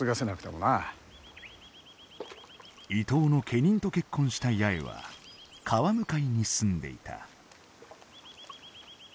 伊東の家人と結婚した八重は川向かいに住んでいた。